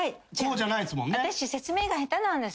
私説明が下手なんです。